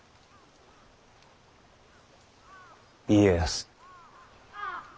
家康。